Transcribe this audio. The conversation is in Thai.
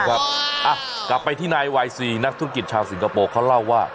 ครับอ่ะกลับไปที่นายไหว้สี่นักธุรกิจชาวสิงคโปร์เขาเล่าว่า